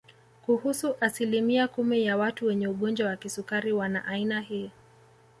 Kuhusu asilimia kumi ya watu wenye ugonjwa wa kisukari wana aina hii